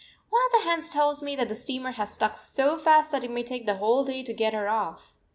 One of the hands tells me that the steamer has stuck so fast that it may take the whole day to get her off.